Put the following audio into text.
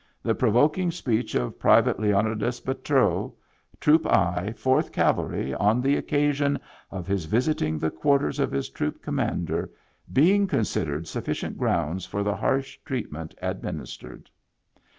The pro voking speech of Priv't Leonidas Bateau, Troop I, 4th Cav'y, on the occasion of his visiting the quar ters erf his troop commander being considered suf ficient grounds for the harsh treatment adminis tered."